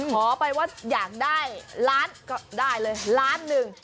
ขอไปว่าอยากได้ล้านก็ได้เลยล้านหนึ่ง